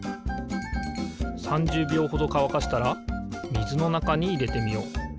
３０びょうほどかわかしたらみずのなかにいれてみよう。